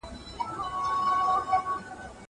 بازار ته ولاړ سه.